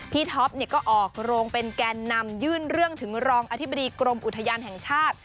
ท็อปก็ออกโรงเป็นแกนนำยื่นเรื่องถึงรองอธิบดีกรมอุทยานแห่งชาติ